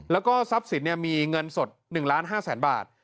และทรัพย์สินมีเงินสด๑๕๐๐๐๐๐บาท